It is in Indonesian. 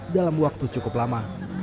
dalam waktu cukup lama